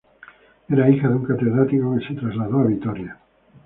Era hija de un catedrático que se trasladó a Vitoria.